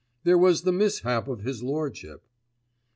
"There was the mishap of his Lordship."